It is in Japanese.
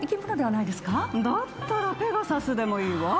だったらペガサスでもいいわ。